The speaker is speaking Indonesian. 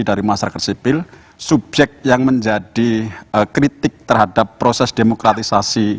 dari masyarakat sipil subjek yang menjadi kritik terhadap proses demokratisasi